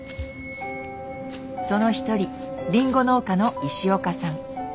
その一人りんご農家の石岡さん。